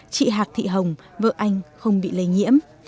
chị hạc thị hồng vợ anh không bị lây nhiễm